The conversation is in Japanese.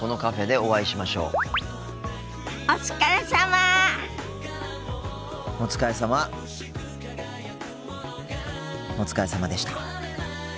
お疲れさまでした。